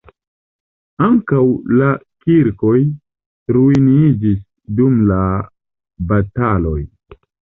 Ankaŭ la kirkoj ruiniĝis dum la bataloj.